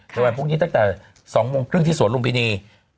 ระหว่างพรุ่งนี้ตั้งแต่๒โมงครึ่งที่สวรุงพินี